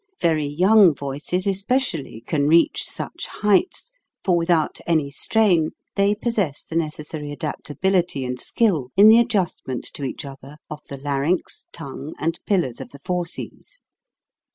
Very young voices, especially, can reach such heights, for with out any strain they possess the necessary adaptability and skill in the adjustment to each other of the larynx, tongue, and pillars of the fauces.